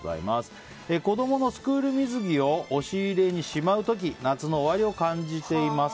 子供のスクール水着を押し入れにしまう時夏の終わりを感じています。